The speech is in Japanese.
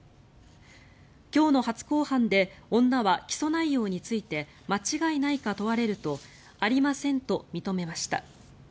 今日の初公判で、女は起訴内容について間違いないか問われるとありませんと認めました。